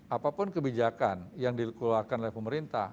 apapun kebijakan yang dikeluarkan oleh pemerintah